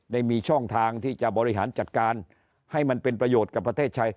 ได้มีช่องทางที่จะบริหารจัดการให้มันเป็นประโยชน์กับประเทศไทย